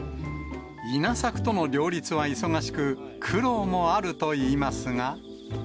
稲作との両立は忙しく、苦労もあるといいますが。